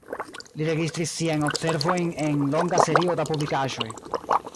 Li registris siajn observojn en longa serio da publikaĵoj.